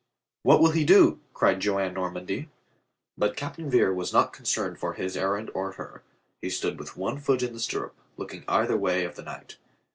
What will he do?" cried Joan Normandy. But Captain Vere was not concerned for his er rand or her. He stood with one foot in the stirrup, looking either way of the night.